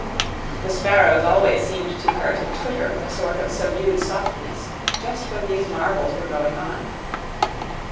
The sparrows always seemed to her to twitter with a sort of subdued softness just when these marvels were going on.